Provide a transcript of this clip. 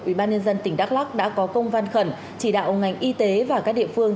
ubnd tỉnh đắk lắc đã có công văn khẩn chỉ đạo ngành y tế và các địa phương